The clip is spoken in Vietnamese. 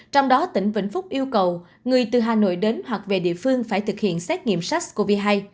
trong đó tỉnh vĩnh phúc yêu cầu người từ hà nội đến hoặc về địa phương phải thực hiện xét nghiệm sars cov hai